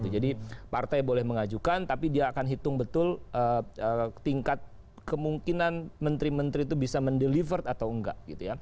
jadi partai boleh mengajukan tapi dia akan hitung betul tingkat kemungkinan menteri menteri itu bisa mendeliver atau enggak